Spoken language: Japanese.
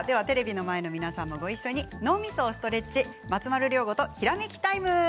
テレビの前の皆さんもごいっしょに脳みそをストレッチ「松丸亮吾とひらめきタイム」。